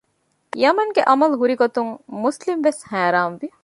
ޔަމަންގެ އަމަލު ހުރިގޮތުން މުސްލިމް ވެސް ހައިރާން ވި